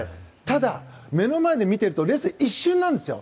ただ、目の前で見ているとレースが一瞬なんですよ。